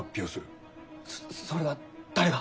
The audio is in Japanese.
そそれは誰が？